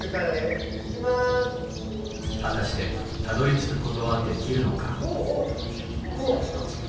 果たしてたどりつくことはできるのか？